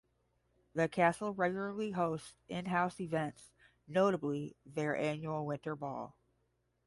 The Castle regularly hosts in-house events; notably their annual Winter Ball.